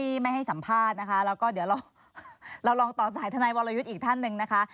ไม่ให้สัมภาษณ์นะคะแล้วก็เดี๋ยวเราลองต่อสายทนายวรยุทธ์อีกท่านหนึ่งนะคะ